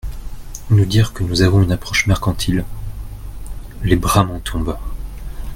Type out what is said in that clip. Nous dire que nous avons une approche mercantile… Les bras m’en tombent.